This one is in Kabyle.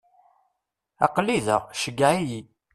Aql-i da, ceggeɛ-iyi.